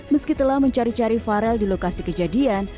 meskitalah mencari cari farel di lokasi kejadian